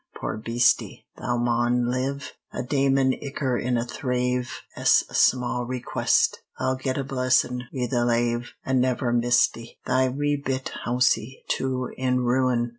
poor beastie, thou maun live! A daimen icker in a thrave 'S a sma' request; I'll get a blessin' wi' the lave, And never miss't! Thy wee bit housie, too, in ruin!